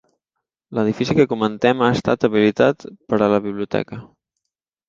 L'edifici que comentem ha estat habilitat per a la biblioteca.